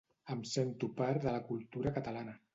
Em sento part de la cultura catalana.